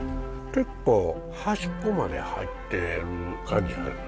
結構端っこまで入ってる感じが。